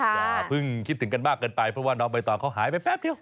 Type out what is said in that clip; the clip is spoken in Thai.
อย่าเพิ่งคิดถึงกันมากเกินไปเพราะว่าน้องใบตองเขาหายไปแป๊บเดียว